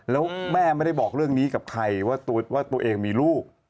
แล้วแม่ไม่ได้บอกเรื่องนี้กับใครว่าตัวเองมีลูก